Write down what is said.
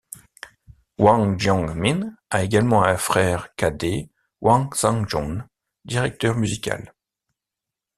Hwang Jeong-min a également un frère cadet Hwang Sang-joon, directeur musical.